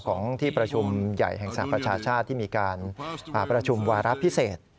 ของที่ประชุมใหญ่แห่งสหประชาชาติที่มีการประชุมวาระพิเศษ